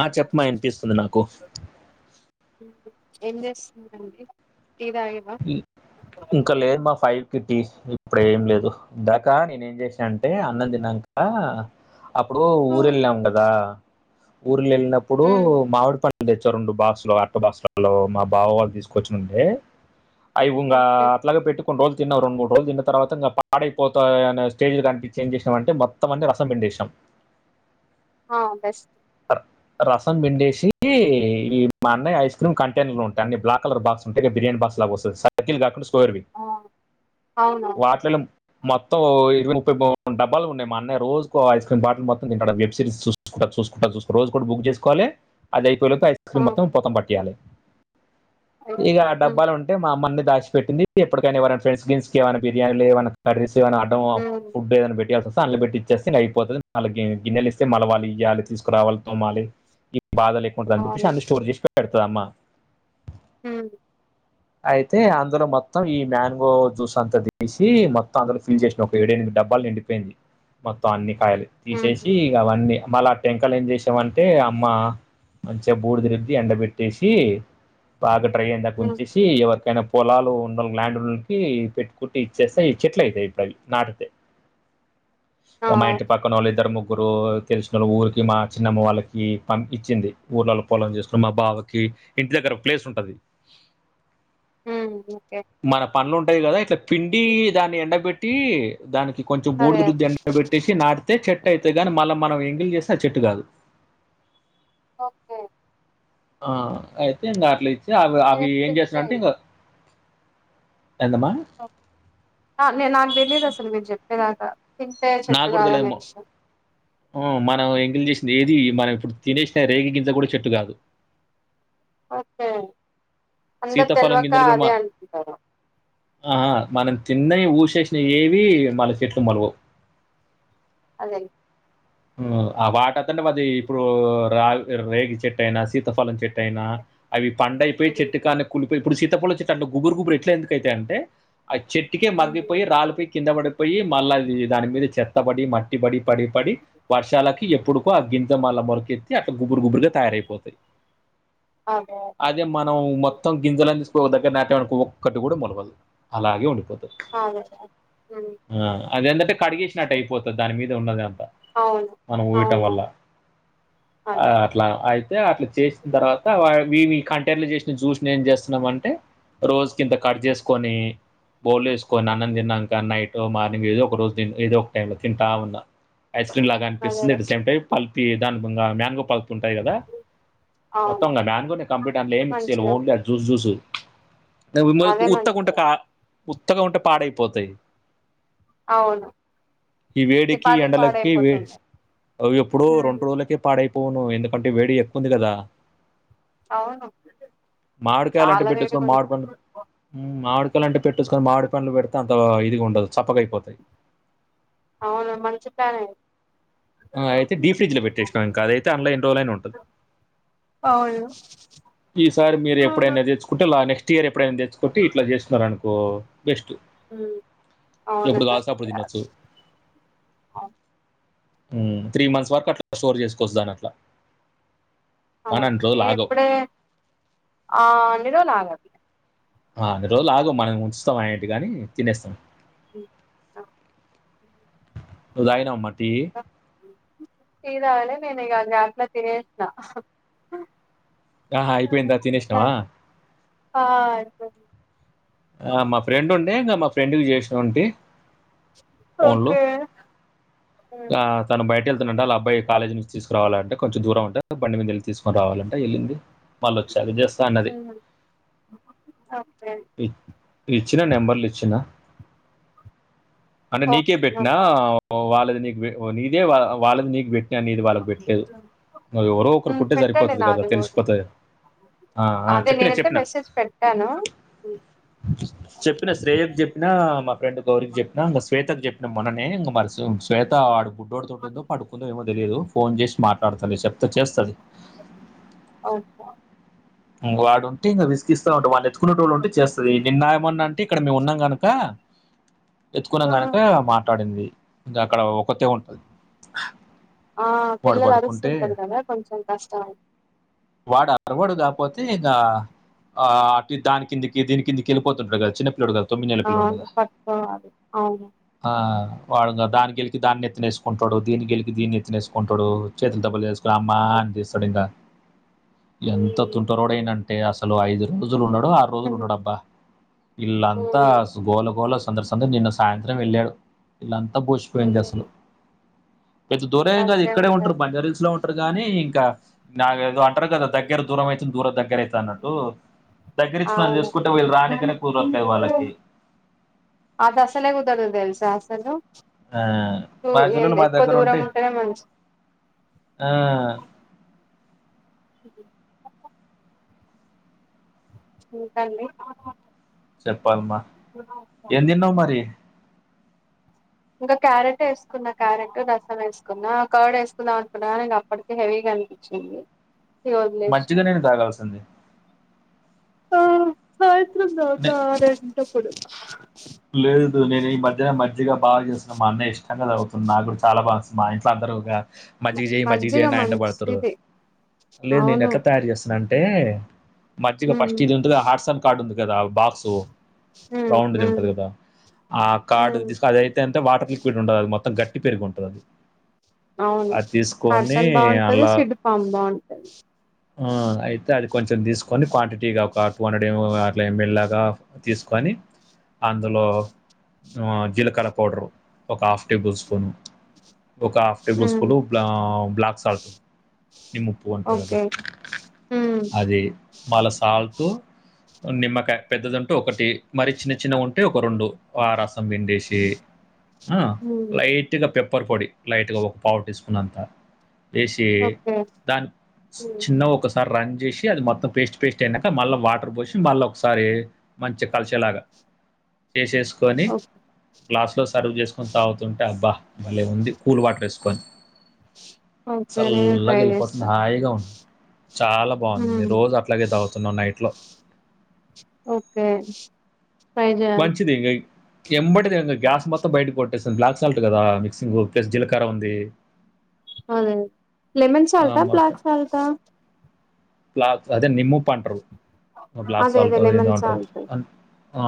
ఆ చెప్పమా ఎనిపిస్తుంది నాకు ఏం చేస్తుందండి టీ తాగిర్రా ఉ ఇంకాలేర్ మా ఫైవ్ ఫిఫ్టీ ఇ అప్పుడు ఏం లేదు దాకా నేను ఏం చేసాన అంటే అన్నం తినక అప్పుడు ఊరు వెళ్ళినం కదా ఊర్ళ వెళ్ళినప్పుడు ఉమ్ మామిడి పడు తెచ్చ రెండు బాస్లు అట్టో బాస్లలో మా బావ వాళ్ళు తీసుకొచ్చిండే అయివుంగ ఓకే అట్లాగే పెట్టు కొన్ని రోజు తిన్నాంెండు మూడుోులు తన్న తరవాత పాడైపోతయ స్టేజలు కనిపించ ఏం చేసినంంట మత్తం అన్ని రసం పిండినం శం ఆ బెస్ట్ రసం పిండేసి ఈ మా అన్నయ్య ఐస్ క్రీమ్ కంటైైనర్ లో ఉంటాయి అన్ని బ్లాక్ కలర్ బాక్స్ ఉంటాయి కదా బస్ స క స్ర్ ఆ అవును వాటి మొత్తం ఇరవై ముైూడు డబ్బాలు ఉన్నా మా అన్న రోజకో ఐ క్రీమ్ బాటిల్ మొత్త తంటాడు వెబ్ సిరీస్ చూసుకు చూసుకుంట చూకో రోజ కూడా బక్ చేకోాలి అది అయిపోయ ఐ ఆ క్రీమ్ మత్తంత్తతం పట్టయాలి అయితే, ఇక ఆ ఉమ్ డబ్బాలు ఉంటాయి అమ్మన్ని దాచిపెట్టింది ఎటికైనావరై ఫ్రెంస్ గేమ్స్ క ఏమైనాిర్యానీలు ఏమై కర్రీ ఏమన్నా అడ్డంమో ఉమ్ ఫుడ్ ఏదనా పెట్టి అనల పెట్టి ఇచ్చేస్త అయిపోతుది మళ్ గిన్నెలు ఇస్తే మలవాలి ఇయ్వాలి తీసుకురావాలి తోమాలి బాధ లేకుంంటందని చెప్పేసి అవును అందు స్టోర్ చేసిక పెడతుదమ్మా హ అయితే అందులో మొత్తం ఈ మ్యాంగో జ్యూస్ అంతా తీసి మొత్తం అందులో ఫిల్ చేసిన ఒక ఏడేమి డబ్బాలు నిండిపోయింది మొత్తం అన్ని కాయలు ఉహు తీసేసి ఇ అవన్నీ మళ్ళా టెంకాలు ఏం చేసేవాళ్ళం మంటే అమ్మ మంచిగా బూడుతిరుది ఎండ పెట్టేసి బాగా ట్రై ఉమ్ అయి్యందాంచ ఎవరికైనా పొలాలు ఉండ ల్యాండ్ ఉండకి పెట్టుకుంటటి ఇచ్చేస్తేయి చెట్లు అయితాయి ఇప్పుడు అవి నాటితే ఆ అ మా ఇంటి పక్కన వాళ్ళు ఇద్దరు ము ఇరు తెలిసుినళ్ళు ఊరికి మా చిన్నమ్మ వాళ్ళకి పంపి ఇచ్చింది ఊర్లలో పొలం చేసుకు మా బావకి ఇంటి దగ్గర ఒక ప్లేస్ ఉంటది హ్మ్ ఇకే టది కదా ఇట్ల పిండి దాన్ని ఎండక్ బెట్టి దానికి కొంచెం అదే బూడిద రుద్ది అదే. ఎండక్ పెట్టేసి నాటితే చెట్ చటె అయితే గానీ మళ్ళా మనం ఎంగిలు చేస్తే అది చెట్టు కాదు. ఓకే ఆ అయితే ఇంగ అట్లా ఇచ్చి అవ్ నేను అవి ఎప్పుడు ఏం ఇంతే చేసినంటే ఇంగ ఏంటమ్మ నే నాకు తెలీయదసలు మీరు చెప్పేదాకా తింటే నా చెట్టు కూడా కాదనే తెలిదమ్మో, విషయం ఉమ్ మనం ఇంగ్లీష్ ఏది మనం ఇప్పుడు తినేసిన రేగి గింజ కూడా చెట్టు కాదు. ఓకే అందర్ సీతాఫలం తెల్వకా గింజలు కూడా అదే మా- అనుకుంటారు తిన్నయి ఊసేసినయేవి మళ్ళ చెట్లు మొలువవు. అదే ఆ వాటతంటే వది ఇప్పుడు రా రేగి చెట్టు అయినా, సీతఫలం చెట్టు అయినా, అవి పండైపోయి ఉమ్ చెట్టు కాన్నే కుల్ ఇప్పుడు సీతాఫలం చెట్టు అంటే గుబరు గుబరు ఇట్లా ఎందుకైతయంటే అయి చెట్టుకే ఉమ్ మగ్గిపోయి, రాలిపోయి, కింద పడిపోయి మళ్ళ అవి దాని మీద చెత్ త, మట్టిబడి, పడి పడి వర్షాలకి ఎప్పుడుకో ఆ గింత వాళ్ళ మొరకెత్తి అక్ గుబ్బురు గుబ్బురుగా తయారైపోతయి, అదే మనం మొత్తం గింజలన్ని లో దగ్గర నాటేడనుకో ఒక్కటి కూడా మొలవదు, అలాగే ఉండిపోతుం ఆదేలే ఉమ్ అదేందంటే కడిగేసినట్టుయిపోతది దాని మీద ఉన్నదా అవును మనం ఊయటం అవును వల్ల, ఆ అదే అదే అట్లా అయితే అట్లా చేసిన తర్వాత వాట్ మీ మీ కంటెన్లో చేసిన జ్యూస్ని ఏం చేస్తున్నమంటె, రోజు కింత కట్ చేసుకొని బోల్ ఏసుకొని అన్నం తిన్నంక నైట్ మార్నింగ్ ఏదో ఒక రోజు తిం ఏదో ఒక టైం లో తింటా ఉన్నా, ఐస్ క్రీమ్ లాగా అనిపిస్తుంది అదేదే అట్ ద సేమ్ టైం పల్ తీయ దానిగుంగా దానికో పల్ప్ ఉంటాయి కదా, అవును మొత్తంగా మ్యాంగోనే కంప్లీట్ అండ్ల ఏం మిక్స్ చేయ్యలే మంచిగా ఓన్లీ అది జ్యూస్ జ్యూస్. ద ఉన్నోల్ అదే ఉత్తగా ఉంటే మంచిది కా, ఉత్తగా ఉంటే పాడైపోతయి అవును ఈ వేడికి పాటికి ఎండలకి వే పాడైపోతుంది అవి ఎప్పుడో ఉమ్, రెండు రోజులకే పాడైపోవును, ఎందుకంటే వేడి ఎక్కువంది కదా. అవును మామిడి కాయాలంటే చాలా పెట్టోచ్చు వేడిగా గాని ఉంది మాడి పండు ఉమ్ మాడికాయలంటే పెట్టొచ్చుకాని, మామిడి పండ్లు పెడితే అంత ఇదిగా ఉండదు. చప్పగయిపోతాయి. అవును మంచి కాయనే ఆ అయితే డీప్ ఫ్రిడ్జ్ లో పెట్టేసినం ఇంకా, అదైతే అన్ల ఎన్ని రోజులైన ఉంటది. అవును ఈ సార్ మీరు ఎప్పుడైనా తెచ్చుకుంటే లా నెక్స్ట్ స్టీయర్ ఎప్పుడైనా తెచ్చుకుంటే ఇట్లా చేస్కున్నరు అనుకో బెస్టు, మ్మ్ ఎప్పుడు కావాల్స్తే అప్పుడు తినొచ్చు. ఆ ఉమ్ త్రీ మంత్స్ వరకు అట్లా స్టోర్ చేసుకొవచ్చు దాన్ని అట్లా. ఆ నేనిప్పుడే ఆ నిల్వనాగది ఆ అన్ని రోజులు ఆగం మనం ఏం ఉంచుతమా ఏంటి గని తినేస్తాం. ఉమ్ ఆ నువ్ దాగినవా మట్ టీ తాగి ఇకి అన్నం తినేసిన ఆహా! అయిపోయిందా? తినేసినావా? అ ఆ మా ఫ్రెండ్ ఉండే ఇంకా మా ఫ్రెండ్కి చేసి ఉంటి ఫోన్లు ఓకే తను బయట అళ్ అబ్బాయి కాలేజ్ నుంచి తీసుకురావాలంట కొంచెం దూరం ఉంటే బండి మీద వెళ్ళి తీసుకునిరావాలంటే వెళ్ళింది మళ్ళు వచ్చరు చేస్తా అన్నది ఒకే ఇచ్చినా నెంబర్లు ఇచ్చినా అంటే నీకే ఓకే నో పెట్టినా వాళ్ళది నీకు నీదే వాళ్ళది నీకు నీది వాళ్ళకి పెట్టలేదు ప్రాబ్లం నువ్వు ఎవరో ఒకరు కుంటే పెట్టండి సరిపోతది కదా నాది కూడా తెలిసిపోతది ఆ ఆ అదే చెప్పినా నేనైతే చెప్పిన మెసేజ్ పెట్టాను చెప్పినా శ్రేయ కు చెప్పినా మా ఫ్రెండ్ గౌరికి చెప్పిన ఇక శ్వేతకు చెప్పిన మొన్ననే ఇంక మరి శ్వేత బుడ్డోడుతోందో పడుకుందో ఏమో తెలియదు ఫోన్ చేసి మాట్లాడుతది చెప్తా చేస్తది అవునా ఇంగ వాడు ఉంటే ఇంకా విసిగిస్తా ఉంటాడు వాన్ని ఎత్తుకునే వాళ్ళుంటే చేస్తది నిన్న మొన్న అంటే ఇక్కడ మేము ఉన్నాం కనుక ఎత్తుకున్నాం కనుక మాట్లాడింది ఇంకా అక్కడ ఒకతే ఉంటది ఆ వాడు పిల్లలు పడుకుంటే అరుస్తుంటారు కదా కొంచెం కష్టం వాడ అరవాడు కాకపోతే అయితే ఇగ ఆ అటు దాని కిందికి దీని కిందికి వెళ్ళిపోతుంటాడు కదా చిన్న పిలోడు తొమ్మిది నెలల పిల్లోడు అవును పట్టుకోవాలి అవును ఆ వాడు దాన్నీ గెలికి దాన్ని ఎత్తినేసుకుంటాడు దీన్ని గెలికి దీన్ని నేత్తినేసుకుంటాడు చేతులు దబ్బలు అమ్మా అని పిలుస్తాడు ఇంగ ఎంత తుంట రోడైనంటే అసలు ఐదు రోజులు రోజులు ఉన్నాడు ఆరు రోజులు ఉహు, ఉన్నాడు అబ్బా ఇల్లంతా ఉహు, గోల గోళ సందడి సందడి నిన్న సాయంత్రం వెళ్ళాడు ఇళ్ళంతా బోసిపోయింది ఉహు. అసలు పెద్ద దూరే ఏం కాదు ఇక్కడే ఉంటారు బంజార్ హిల్స్ లో ఉంటారు కాగానీ ఇంకా నా అంటారు కాదా దగ్గర దూరం అయితే దూరం దగ్గర అయితది అన్నట్టు దగ్గరించి ననీ చేసుకుంటే వీళ్ళు రానికనే కూదరట్లేదు అవును వాళ్ళకి అది అసలే కుదిరదు ఆ మా పిల్లలు మా ఎక్కువ దగ్గర దూరం ఉంటే ఉంటేనే మంచి ఆ ఇంకండి చెప్పాలమా ఎం తిన్నవు మరి ఇంకా క్యారెట్ వేసుకున క్యారెట్ రసం వేసుకున్న కర్డ్ వేసుకుందాం అనుకున్నా కానీ అప్పటికే హెవీగా అనిపించింది ఇగ వదిలేసిన మజ్జిగ నీళ్లు తాగాల్సింది ఆ సాయంత్రం నే తాగుతా ఒక ఆరంటప్పుడు లేదు నేను ఈ మధ్యనే మజ్జిగ బాగా చేస్తున్నా మా అన్నయ ఇష్టంగా తాగుతున్నాడు నాకు కూడా చాలా బాగా మా ఇంట్లో అందరు మజ్జిగ చేయి మజ్జగ చేయి మజ్జిగ అని నా వెంట పడుతారు మంచిది లేదు నేను అవును ఎట్లా తయారు చేస్తున్నాండి అంటే మజ్జిగ ఉమ్ ఫస్ట్ ఇది ఉంటగా హార్ట్స్ అండ్ కార్డ్ ఉంది కదా బాక్సు ఉమ్ రౌండ్ది ఉమ్ కదా ఆ కార్డు ఉమ్ తీసుకు అద అయితే అంటే వాటర్ లిక్విడ్ ఉండదు అది మొత్తం గట్టి పెరుగు ఉంటది అది అవును అది తీసుకొని హార్సన్ బాగుంటది అలా సిడ్డుపాం బాగుంటది ఆ ఆయితే అ కొంచెం తీసుకొని క్వాంటిటీగా ఒక టూ హండ్రెడ్ అలా ఎంఎల్లాగా తీసుకొని అందులో జీలకర్ర పౌడరు ఒక హాఫ్ టేబుల్ స్పూను ఒక హాఫ్ టేబుల్ ఉమ్ స్పూను బ్ బ్లాక్ సాల్ట్ నిమ్ము ఉప్పు అంటారు కదా ఓకే ఉమ్ అదీ మళ్ల సాల్ ప్పు నిమ్మకా పెద్దదింటూ ఒకటి మరి చిన్న చిన్న ఉంట ఒక రెండు ఆ రసం పిండేసి ఉమ్ లైట్ గా పెప్ ప్పర్ పొడి లైట్గా ఒక పావు టీ స్పూన్ అంతా వేసి ఓకే దాని ఉమ్ చిన్న ఒక స్ప్ సారి రన్ చేసి అది మొత్తం పేస్ట్ పేస్ట్ అయినాక మళ్ళీ వాటర్ పోసి మళ్ళ ఒకసారి మంచిగా కలిసేలాగా చేసేసుకొని ఓ గ్లాస్లో సర్వ్ చేసుకొని తాగుతుంటే అబ్బా భలే ఉంది కూల్ వాటర్ వేసుకొని ఓకే నేను ట్రై చల్లాగెల్ చేస్తా పోతుందా హాయిగా ఉన్ చాలా బాగుంది నె హ్మ్. రోజు అట్లాగే తాగు తున్నా నైట్ లో ఓకే ట్రై చేయాలి వంచి దంగా ఎంబడిదింక గ్యాస్ మొత్తం బయట కొట్టేస్తుంది బ్లాక్ సాల్ట్ కదా మిక్సింగ్ ప్లస్ జీలకర ఉంది అవునా లెమన్ సాల్ట్ ఆ బ్లాక్ సాల్ట్ ఆ బ్లాక్ అదే నిమ్ముప్పు అంటరు బ్లాక్ అదే సాల్ట్ అదే అదేదో లెమన్ అంట్రూ సాల్ట్ అ ఆ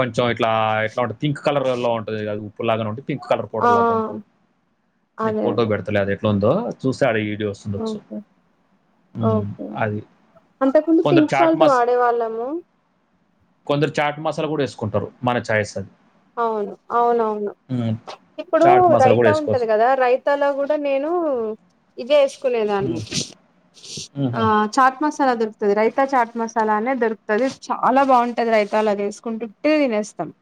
కొంచెం ఇట్లా ఇట్లా ఉంట పింక్ కలర్ లో ఉంటుంది క ఉప్పు లాగానే ఉంటే పింక్ కలర్ ఆ పౌడర్ లాగా ఉంటుంది నీక్ అదే అదే ఫోటో పెడతలే అది ఎట్లా ఉందో చూస్తె అదే వీడియో వస్తుండొచ్చు ఓకే హ్మ్. ఓకే అది. అంతకుందు కొందరు పింక్ చాట్ సాల్ట్ మస్ వాడేవాళ్ళము కొందరు చాట్ మసాలా కూడా వేసుకుంటారు మన చాయిస్ అది అవును అవునవును హ్మ్. ఇప్పుడు చాట్ మసాలా కూడా రైతా ఉంటది ఎసుకోవచ్చు. కదా రైతాలో కూడా నేను ఇదే స్ కునేదాన్ని హ్మ్. హుహు. చాట్ మస్ మసాలా దొరుకుతుది రైత చాట్ మసాలా అనే దొరుకుతుది చాలా బాగుంటది రైతాలా అదేసుకుంటుంటేనె దీనెస్ సమ్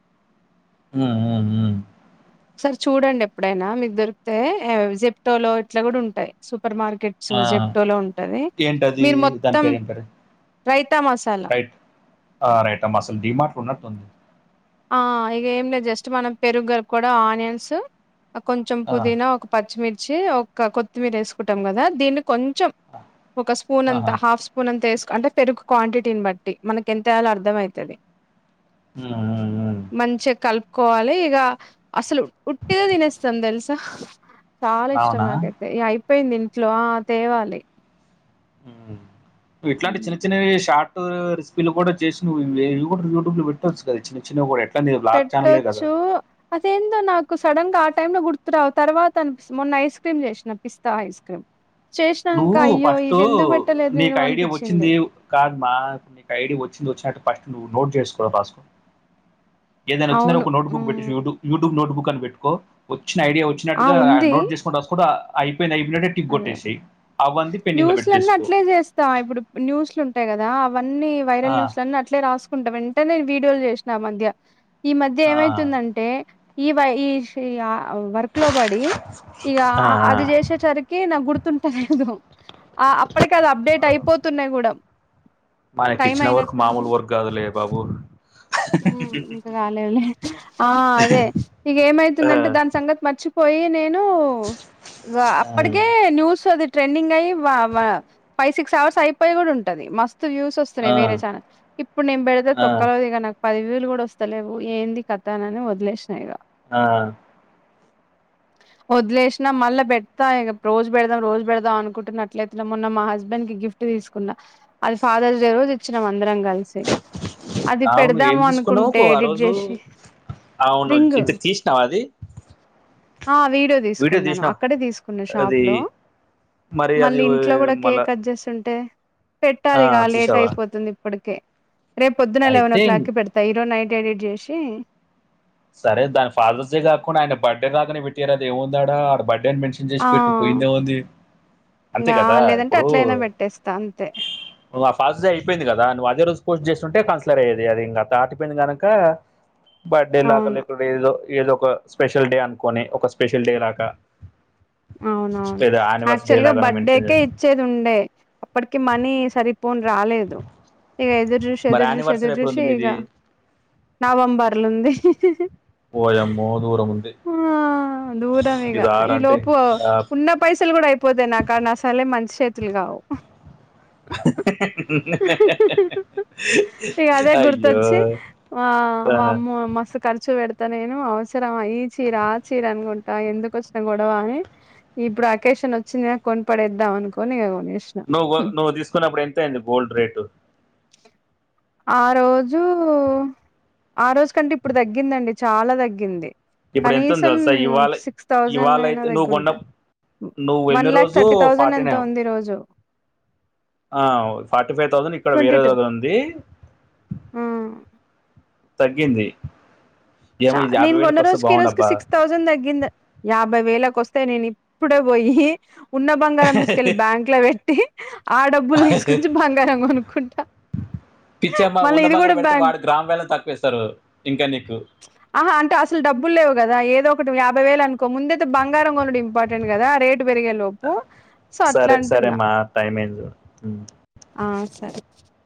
ఉ ఉ ఉ ఒకసారి చూడండి ఎప్పుడైనా మీకు దొరికితే జెప్టోలో ఇట్లా కూడా ఉంటాయి స పర్ మార్కెట్స్ ఆ! జెప్టోలో ఉంటది ఏంటది? మీరు దాని మొత్తం పేరేం పేరు? రైతా మసాలా రైట్ ఆ రైటమ్మా అసలు డిమాార్ట్లు ఉన్నట్టు ఉంది ఆ ఇక ఏం లేదు జస్ట్ మనం పెరుగు గలుపుకోవడం ఆనియన్స్ కొంచెం ఆ, పుదీనా ఒక పచ్చిమిర్చి ఒక కొత్తిమీర వేసుకుంటాం కదా దీని కొంచెం ఆ, ఒక స్పూన్ ఆహా. అంతా హాఫ్ స్పూన్ అంతా వేస్ అంటే పెరుగు క్వాంటిటీని బట్టి మనకి ఎంత వేయలో అర్థం అయితది ఉ ఉ మంచిగా కలుపుకోవాలి ఇక అసలు ఉట్టిగా తినేస్తాం తెలుసా చాలా ఇష్టం అవునా నాకైతే ఇగ అయిపోయింది ఇంట్లో తేవాలి ఇట్లాంటి హ్మ్. చిన్న చిన్నవి షాట్ ఆ రెసిపీలు కూడా చేసి నువ్ఇంగె ఇవి కూడా యూట్యూబ్ లో పెట్టచ్చు కద చిన్న చిన్నవి కూడా నీ బ్లాగ్ ఛానలే కదా పెట్టొచ్చూ అదేందో నాకు సడన్ గా డన్గా గుర్తు రావు తర్వాత అని పిస్తోంది మొన్న ఐస్ క్రీమ్ చేసినా పిస్తా ఐస్ క్రీమ్ చేసినాక నువ్వు అయ్యో ఫస్ట్ ఇది ఎందుకు పెట్టలేదు నీకు నేను ఐడియా అనిపించింది వచ్చింది కాద్మా నీకు ఐడియా వచ్చింది వచ్చినటు నువ్ నోట్ చేసుకోని రాసుకో ఏదైన అవును వచ్చిందనుకొ నోట్ బుక్ పెట్టిసి హ్మ్. యూట్యూబ్ యూట్యూబ్ నోట్ బుక్ అని పెట్టుకో వచ్చిన ఐడియా ఆ వచ్చినట్టుగా ఉంది నోట్ చేసుకుని రాసుకుంట అయిపోయినియ్ అయిపోయినట్టు టిక్ గొట్టేసెయి న్యూస్ లన్నీ అట్లే చేస్తా ఇప్పుడు న్యూస్లుం టాయి కదా అవన్నీ వైరల్ ఆ, న్యూస్ లన్నీ అట్లే రాసుకుంటా వెంటనేే వీడియోలు చేసిన మధ్య ఈ మధ్య ఆ ఏమైతుందంటే ఈ వ ఈర్షి ఆ వర్క్ లో పడి ఇక ఆ అది చేసేసరికి రికి నాకు గుర్తుంటలేదు ఆ అప్పటికి అది అప్డేట్ అయిపోతున్నాయి కూడా మానకు టైం ఇచ్చిన వర్క్ మామూలు వర్క్ గాదులే బాబు మ్ ఇంకకాలేదులే ఆ అదే ఇక ఆ ఏమైతుందంటే దాని సంగతి మర్చి పోయి నేను ఆ అప్పటికే న్యూస్ అది ట్రెండింగ్ అయి ఫైవ్ సిక్స్ అవర్స్ అయిపోయి కూడా ఉంటాది మస్త్ వ్యూస్ వస్తున్నాయి వేరే ఛానల్ ఇప్పుడు నేను పెడితే ఆ తొక్కలోది ఇగ నాకు రివ్యూలు కూడా వస్తలేవు ఏంది కథ అనని వదిలేషినా ఇక ఆ వదిలేసినా మళ్ళా పెడతా రోజు పెడదాం రోజు పెడదాం అనుకుంటున్నట్లట్లే మోన్న మా హస్బెండ్ కి గి గిఫ్ట్ తీసుకున్న ఆది ఫాదర్స్ డే రోజు ఇచ్చినం అందరం కలిసి అది పేడ్ధం అవును ఏం తీసుకున్నవ్ కు ఆ రోజు అవును రింగ్ ఇంత తీషినావ అది ఆ వీడియో తీసుకున్నాను అక్కడే తీసుకున్నా షాప్ అది లో మరి అది మళ్ళీ ఇంట్లో కూడా మళ్ళా కేక్ కట్ చేస్తుంటే ఆ పెట్టాలిగా లేట్ తీసావా అయిపోతుంది ఇప్పటికే రేపు పొదున లెవెన్ ఓ అయితే క్లాక్ కి పెడతా ఈరో నైట్ ఎడిట్ జేసి సరే దాని ఫాదర్స్ డే కాకుండా ఆయన బర్త్డే కాకనే పెట్టీయరాదు అది ఏముందాడా ఆడ బర్త్డే అని మెన్షన్ చేసి ఆ! పెట్టు పోయిందేముంది అంతే ఇంగా కదా లేదంటే ఇప్పుడు అట్లయినా పెట్టేస్తా అంతే. నువు ఆ ఫాదర్స్ డే అయిపోయింది కదా నువ్ అదే రోజు పోస్ట్ చేస్తుంటే కన్స్ డర్ ఆయ్యెది అది ఇంకా తాటిపోయిన కనుక బర్త్డే లాగాలు అవును. ఇక్కడ ఏదో ఏదో ఒక స్పెషల్ డే అనుకోని ఒక స్పెషల్ డే లాగా అవునవును లేదా యానివర్సరీ డే యాక్చువల్ గా లాగానే మెన్షన్ బర్త్డేకే చేయండి ఇచ్చేది ఉండే అప్పటికి మనీ సరి పోన్ రాలేదు ఇక ఎదురు చూసి మరి ఎదురు చూసి యానివర్సరీ ఎదురు ఎప్పుడు చూసి ఉంది ఇక మీది నవంబర్లుంది ఓయామ్మో దూరము ఉంది దూరమేగా ఇది ఈ ఆరంటే లోపు ఆ. ఉన్న పైస లు కూడా అయిపోతాయి నాకాడా అసలే మంచి చేతులు కావు [unintelligible] ఇక అదే అయ్యో గుర్తొచ్చి ఆ ఆహా. వామ్మో మస్తు ఖర్చు పెడత ఇత నేను అవసరమయ్యీ చీరా చీరంగుంటా ఎందుకు వచ్చిన గొడవ అని ఇప్పుడు అకేషన్ వచ్చిందని కొనపడేద్దాం అనుకోని కొనేసిన నువ్వు నువ్వు తీసుకున్నప్పుడు ఎంత అయింది గోల్డ్ రేటు ఆ రోజు ఆ రోజు కంటే ఇప్పుడు తగ్గిందండి చాలా తగ్గింది ఇప్పుడు ఎంత ఉంది కనీసం తెలుసా ఇవాళ సిక్స్ థౌజండ్ ఇవాళ అయిన అయితే నువ్వు కొన్న తగ్గింటా నువ్వు వన్ వెళ్ళిన లాక్ రోజు థర్టీ థౌసండ్ ఎంతో ఉంది ఈ రోజు ఆ ఫార్టీ ఫైవ్ థౌసండ్ ఇక్కడ ట్వంటీ వేరే టూ దగ్గర ఉంది ఆ తగ్గింది ఏమో చ ఇది యాభై నేను కొన్న వేలకు వస్తే రోజుకి ఈ రోజుకి బాగుండబ్బా సిక్స్ థౌసండ్ తగ్గింది యాబ్ యాభై వేలకు వస్తే నేను ఇప్పుడే పోయి ఉన్న బంగారం తీసుకెళ్ళలి బ్యాంక్ లో పెట్టి ఆ డబ్బులు తీసుకచ్చి బంగారం కొనుక్కుంటా పిచ్చేమ్మ మళ్ళీ ఉండ ఇది బంగారు కూడా పెడితే బ్యాంక్ వాడు గ్రామ వేలా తక్కువేస్తారు ఇంకా నీకు. ఆహా అంటే అసలు డబ్బు లేవు కదా ఏదో ఒకటి యాభై వేలు అనుకో ముందైతే బంగారం కొనుడు ఇంపార్టెంట్ కదా రేటు పె పెరిగెలోపు సో అట్లా సరే సరే అంటున్నా మా టైం ఏం చూడు ఉం. ఆ సరే